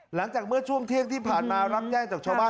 หลังจากเมื่อช่วงเที่ยงที่ผ่านมารับแจ้งจากชาวบ้าน